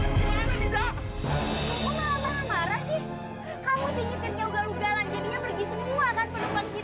jadinya pergi semua kan penupaan kita